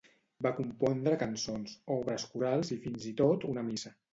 Va compondre cançons, obres corals i fins i tot una missa.